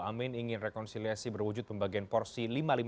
amin ingin rekonsiliasi berwujud pembagian porsi lima ribu lima ratus empat puluh lima